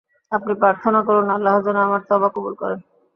আপনি প্রার্থনা করুন, আল্লাহ যেন আমার তাওবা কবুল করেন।